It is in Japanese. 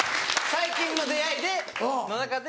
最近の出会いの中で。